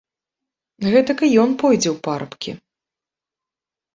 Гэтак і ён пойдзе ў парабкі.